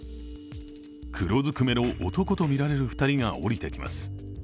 黒ずくめの男とみられる２人が降りてきます。